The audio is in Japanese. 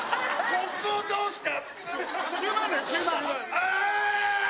コップを通して熱くなってる。